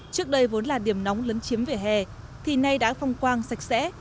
trước đây vốn là điểm nóng lấn chiếm vỉa hè thì nay đã phong quang sạch sẽ